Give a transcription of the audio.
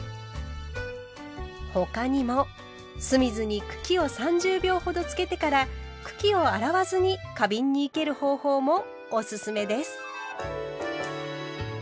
他にも酢水に茎を３０秒ほどつけてから茎を洗わずに花瓶に生ける方法もおすすめです。